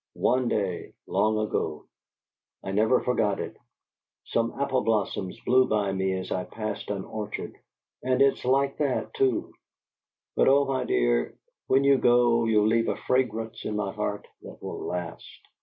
One day, long ago I never forgot it some apple blossoms blew by me as I passed an orchard; and it's like that, too. But, oh, my dear, when you go you'll leave a fragrance in my heart that will last!"